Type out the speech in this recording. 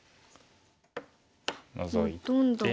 ノゾいて。